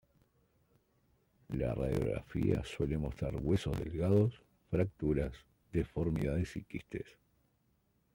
La radiografía suele mostrar huesos delgados, fracturas, deformidades y quistes.